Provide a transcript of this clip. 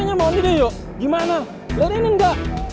nunggu mereka semua